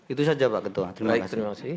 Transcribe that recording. itu saja pak ketua terima kasih